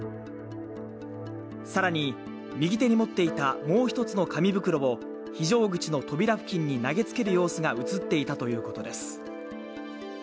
更に、右手に持っていたもう一つの紙袋を非常口の扉付近に投げつける様子が映っていたということです。